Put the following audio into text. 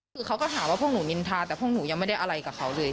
คือเขาก็หาว่าพวกหนูนินทาแต่พวกหนูยังไม่ได้อะไรกับเขาเลย